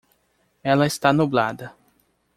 Ela está nublada.